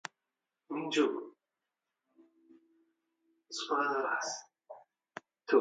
شیعر کە هات دڵیش ئیتر ئۆقرە ناگرێ، ئەیدرکێنێ